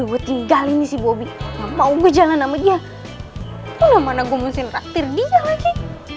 udah gue tinggal ini sih bobby nggak mau gue jalan sama dia udah mana gue mustin traktir dia lagi